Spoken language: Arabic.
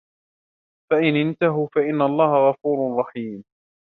فإن انتهوا فإن الله غفور رحيم